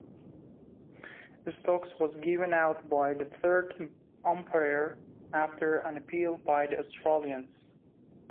Stokes was given out by the third umpire after an appeal by the Australians.